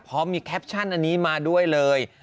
พร้อมมีแคปชั่นอันนี้มาด้วยเลย